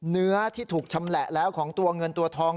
เนื้อที่ถูกชำแหละแล้วของตัวเงินตัวทอง